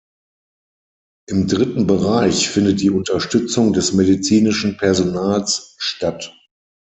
Im dritten Bereich findet die Unterstützung des medizinischen Personals statt.